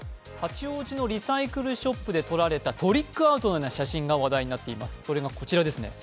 八王子のリサイクルショップで撮られたトリックアートのような写真が話題になっています。